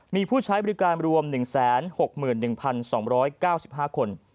มีผู้ใช้บริการรวม๑๖๑๒๙๕คน